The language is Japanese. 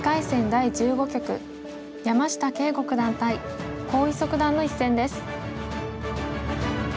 第１５局山下敬吾九段対黄翊祖九段の一戦です。